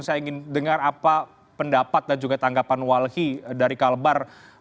saya ingin dengar apa pendapat dan juga tanggapan walhi dari kalbar